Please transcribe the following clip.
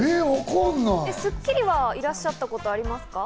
『スッキリ』はいらっしゃったことありますか？